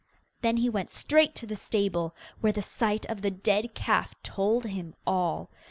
Then he went straight to the stable, where the sight of the dead calf told him all.